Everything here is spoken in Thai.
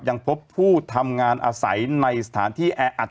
ยังพบผู้ทำงานอาศัยในสถานที่แออัด